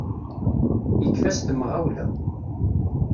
Yekfa s temɣawla.